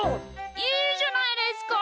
いいじゃないですか。